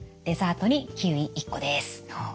デザートにキウイ１個です。